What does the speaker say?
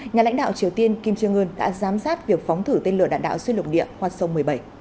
nhà lãnh đạo triều tiên kim trương ươn đã giám sát việc phóng thử tên lửa đạn đạo xuyên lục địa hoa sông một mươi bảy